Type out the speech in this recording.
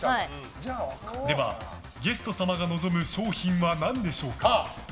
では、ゲスト様が望む賞品は何でしょうか。